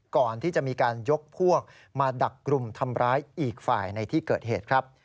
ก่อนที่จะมีการยกพวกมาดักกลุ่มทำร้ายอีกฝ่ายในที่เกิดเหตุครับ